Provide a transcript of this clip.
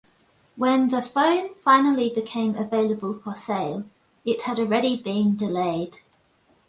When the phone finally became available for sale, it had already been delayed.